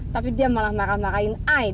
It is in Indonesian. tapi dia malah marah marahin ai